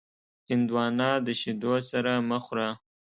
هندوانه د شیدو سره مه خوره.